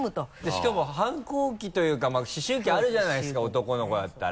しかも反抗期というか思春期あるじゃないですか男の子だったら。